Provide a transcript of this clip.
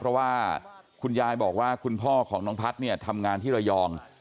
เพราะว่าคุณยายบอกว่าคุณพ่อของน้องพัฒน์เนี่ยทำงานที่ระยอง